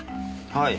はい。